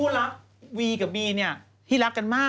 นี่มีขามออกมาว่า